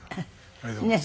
ありがとうございます。